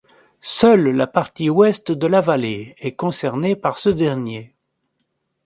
Seule la partie ouest de la vallée est concernée par ce dernier.